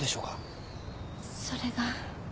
それが。